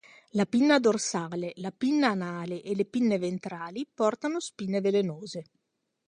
La pinna dorsale, la pinna anale e le pinne ventrali portano spine velenose.